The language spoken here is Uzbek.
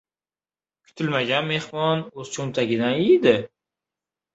• Kutilmagan mehmon o‘z cho‘ntagidan yeydi.